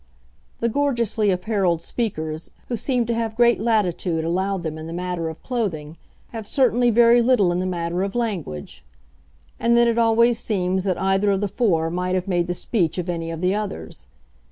The gorgeously apparelled speakers, who seem to have great latitude allowed them in the matter of clothing, have certainly very little in the matter of language. And then it always seems that either of the four might have made the speech of any of the others.